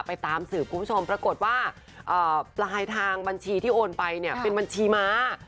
ไปตามสู่คุณผู้ชมปรากฏท่านทางบัญชีโอนไว้เป็นบัญชีม้า